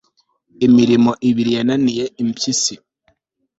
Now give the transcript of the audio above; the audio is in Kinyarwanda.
imirimo ibiri yananiye impyisi